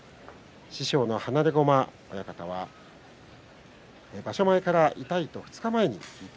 師匠の放駒親方は場所前から痛いと２日前に聞いた。